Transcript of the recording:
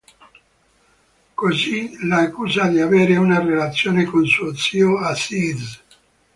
Così, la accusa di avere una relazione con suo zio Aziz.